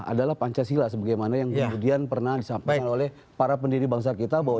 adalah pancasila sebagaimana yang kemudian pernah disampaikan oleh para pendiri bangsa kita bahwa